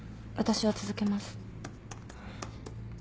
私は続けます。